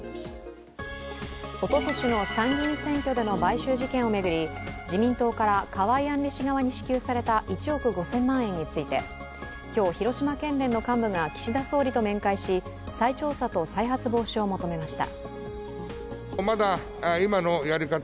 おととしの参議院選挙での買収事件を巡り自民党から河井案里氏側に支給された１億５０００万円について今日、広島県連の幹部が岸田総理と面会し再調査と再発防止を求めました。